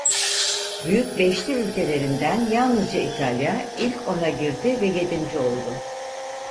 Büyük Beşli ülkelerinden yalnızca İtalya ilk ona girdi ve yedinci oldu.